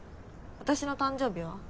私の誕生日は？